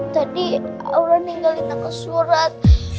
tadi orang ninggalin aku surat